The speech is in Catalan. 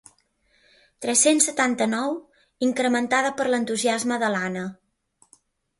Tres-cents setanta-nou incrementada per l'entusiasme de l'Anna.